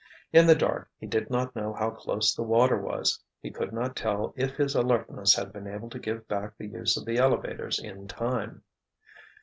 In the dark, he did not know how close the water was. He could not tell if his alertness had been able to give back the use of the elevators in time.